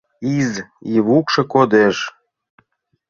Из-Ивукшо кодеш.